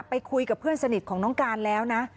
ไปคุยกับเพื่อนสนิทของน้องการแล้วนะ